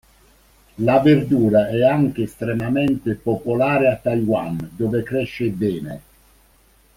La verdura è anche estremamente popolare a Taiwan, dove cresce bene.